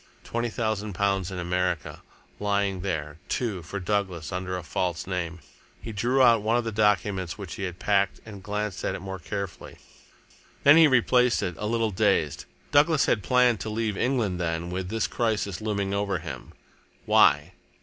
Twenty thousand pounds in America! lying there, too, for Douglas under a false name! He drew out one of the documents which he had packed and glanced at it more carefully. Then he replaced it, a little dazed. Douglas had planned to leave England, then, with this crisis looming over him. Why?